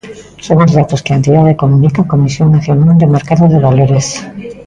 Son os datos que a entidade comunica á Comisión Nacional do Mercado de Valores.